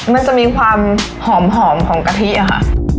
มันจะมีความหอมของกะทิอะค่ะ